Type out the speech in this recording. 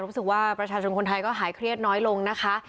รู้สึกว่าประชาชนคนไทยก็หายเครียดน้อยลงนะคะ